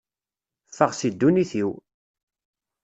Ffeɣ si ddunit-iw!